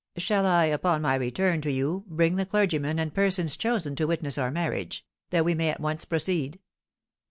Shall I, upon my return to you, bring the clergyman and persons chosen to witness our marriage, that we may at once proceed?"